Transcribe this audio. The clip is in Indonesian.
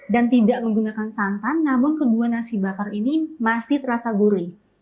dan tidak menggunakan santan namun kedua nasi bakar ini masih terasa gurih